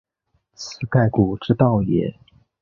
此盖古之道也。